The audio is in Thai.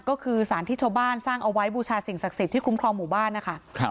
ก็คือสารที่ชาวบ้านสร้างเอาไว้บูชาสิ่งศักดิ์สิทธิ์ที่คุ้มครองหมู่บ้านนะคะ